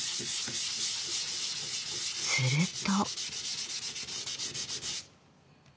すると。